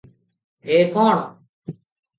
ଏ କଣ?